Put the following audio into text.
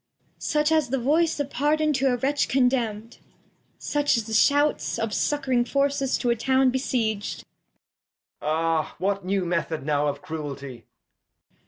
Cord. Such as a Voice of Pardon to a Wretch con demn'd ; Such as the Shouts Of succ'ring Forces to a Town besieg'd. Edg. Ahl What new Method now of Cruelty!